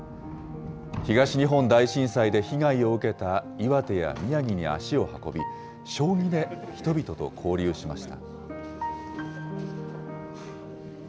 東日本大震災で被害を受けた岩手や宮城に足を運び、将棋で人々と交流しました。